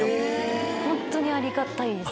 本当にありがたいです。